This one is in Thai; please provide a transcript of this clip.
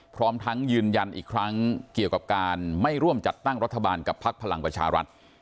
พร้อมทั้งยืนยันอีกครั้งเกี่ยวกับการไม่ร่วมจัดตั้งรัฐบาลกับพักพลังประชารัฐ